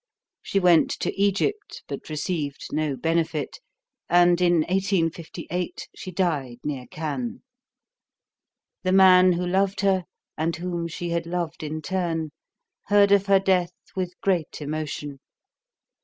She went to Egypt, but received no benefit, and in 1858 she died near Cannes. The man who loved her, and whom she had loved in turn, heard of her death with great emotion.